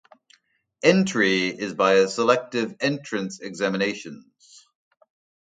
Entry is by a selective entrance examinations.